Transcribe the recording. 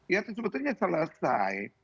ya itu sebetulnya selesai